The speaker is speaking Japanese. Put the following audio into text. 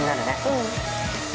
◆うん。